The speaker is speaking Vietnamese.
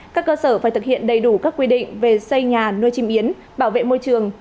các cơ sở phải thực hiện đầy đủ các quy định về xây nhà nuôi chim yến bảo vệ môi trường